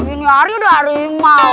ini hari udah harimau